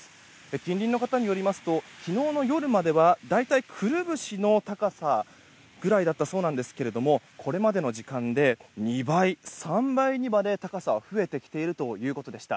近隣の方によりますと昨日の夜までは大体、くるぶしの高さぐらいだったそうですがこれまでの時間で２倍、３倍にまで高さは増えてきているということでした。